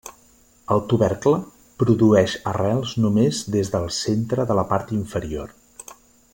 El tubercle produeix arrels només des del centre de la part inferior.